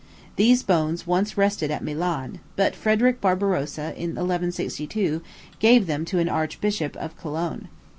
These bones once rested at Milan; but Frederic Barbarossa, in 1162, gave them to an archbishop of Cologne.